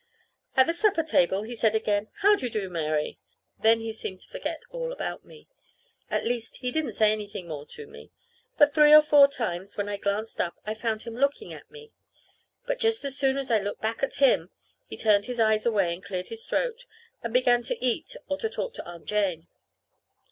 At the supper table he said again, "How do you do, Mary?" Then he seemed to forget all about me. At least he didn't say anything more to me; but three or four times, when I glanced up, I found him looking at me. But just as soon as I looked back at him he turned his eyes away and cleared his throat, and began to eat or to talk to Aunt Jane.